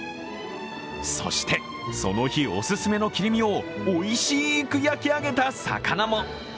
そして、その日お勧めの切り身をおいしく焼き上げた魚も。